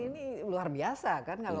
ini luar biasa kan